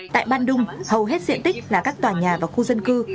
tại ban đung hầu hết diện tích là các tòa nhà và khu dân cư